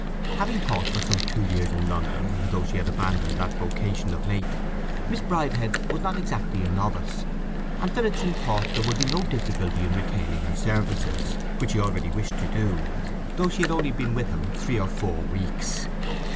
Having taught for some two years in London, though she had abandoned that vocation of late, Miss Bridehead was not exactly a novice, and Phillotson thought there would be no difficulty in retaining her services, which he already wished to do, though she had only been with him three or four weeks.